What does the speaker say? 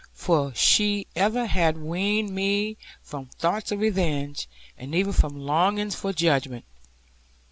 For she ever had weaned me from thoughts of revenge, and even from longings for judgment.